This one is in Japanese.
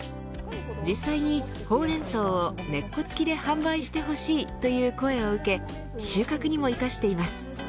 実際にホウレンソウを根っこ付きで販売してほしいという声を受け収穫にも生かしています。